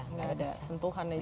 tidak ada sentuhannya juga